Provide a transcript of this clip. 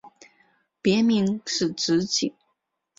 别名是直景。